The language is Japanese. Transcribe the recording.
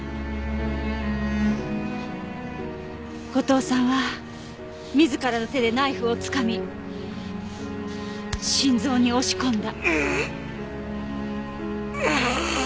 後藤さんは自らの手でナイフをつかみ心臓に押し込んだ。